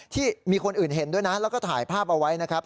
ที่มีคนอื่นเห็นด้วยนะแล้วก็ถ่ายภาพเอาไว้นะครับ